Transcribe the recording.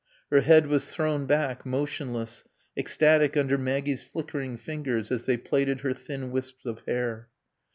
Her head was thrown back, motionless, ecstatic under Maggie's flickering fingers as they plaited her thin wisps of hair.